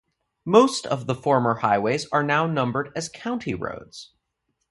Most of the former highways are now numbered as county roads.